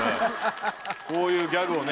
こういうギャグをね